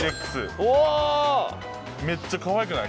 おおめっちゃかわいくない？